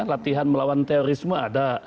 latihan melawan terorisme ada